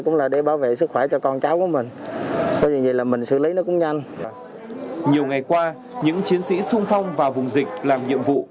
nhiều ngày qua những chiến sĩ sung phong vào vùng dịch làm nhiệm vụ